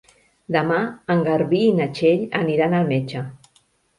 Demà en Garbí i na Txell aniran al metge.